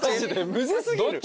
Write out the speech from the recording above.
むず過ぎる。